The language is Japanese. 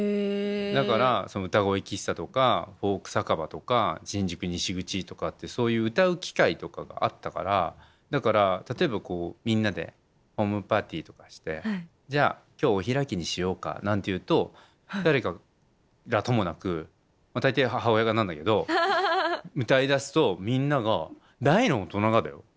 だから歌声喫茶とかフォーク酒場とか新宿西口とかってそういう歌う機会とかがあったからだから例えばみんなでホームパーティーとかして「じゃあ今日お開きにしようか」なんて言うと誰からともなく大抵母親なんだけど歌いだすとみんなが大の大人がだよ。